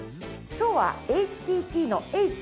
今日はＨＴＴの「Ｈ」。